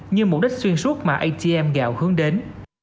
như mục đích xuyên suốt mà atm gạo hướng đến